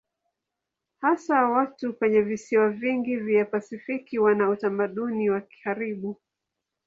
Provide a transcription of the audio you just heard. Hasa watu kwenye visiwa vingi vya Pasifiki wana utamaduni wa karibu.